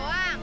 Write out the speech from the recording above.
mana sih ibu